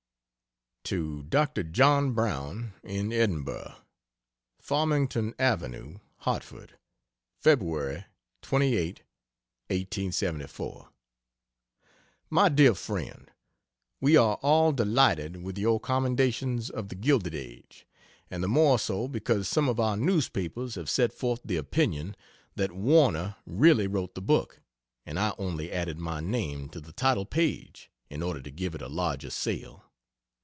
To Dr. John Brown, in Edinburgh: FARMINGTON AVENUE, HARTFORD Feby. 28, 1874. MY DEAR FRIEND, We are all delighted with your commendations of the Gilded Age and the more so because some of our newspapers have set forth the opinion that Warner really wrote the book and I only added my name to the title page in order to give it a larger sale.